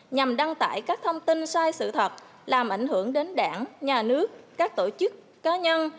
nhằm đăng tải các thông tin sai sự thật làm ảnh hưởng đến đảng nhà nước các tổ chức cá nhân